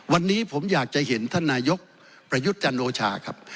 วันนี้ผมอยากจะเห็นท่านนายกประยุทธ์จันโอชาครับ